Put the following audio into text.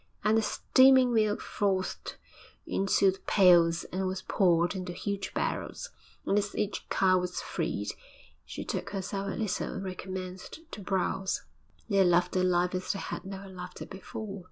And the steaming milk frothed into the pails and was poured into huge barrels, and as each cow was freed, she shook herself a little and recommenced to browse. And they loved their life as they had never loved it before.